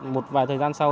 một vài thời gian sau